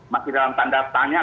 masih dalam tanda tanya